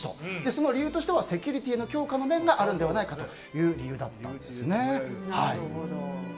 その理由としてはセキュリティーの強化の面があるのではないかという理由だったんですね。